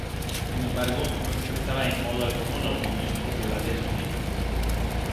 Sin embargo, no expresaba en modo alguno la opinión popular de su tiempo.